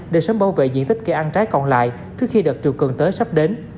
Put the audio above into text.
để sớm bảo vệ diện tích cây ăn trái còn lại trước khi đợt triều cường tới sắp đến